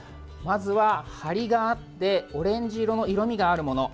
まずは、張りがあってオレンジ色の色味があるもの。